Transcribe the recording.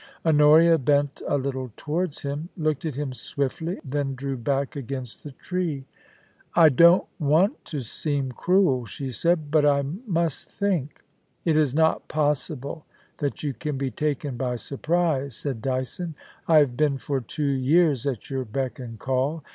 Honoria bent a little towards him, looked at him swiftly, then drew back against the tree. THE ENCHANTRESS OF KOORALBYN. 85 * I don't want to seem cruel/ she said, * but I must think,' * It is not possible that you can be taken by surprise,' said Dyson. * I have been for two years at your beck and call.